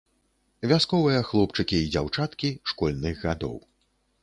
Вясковыя хлопчыкі і дзяўчаткі школьных гадоў.